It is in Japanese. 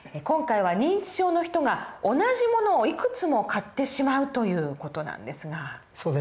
今回は認知症の人が同じ物をいくつも買ってしまうという事なんですが。